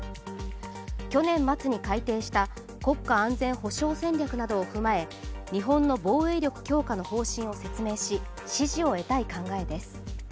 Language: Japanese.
去年末に改定した国家安全保障戦略などを踏まえ日本の防衛力強化の方針を説明し支持を得たい考えです。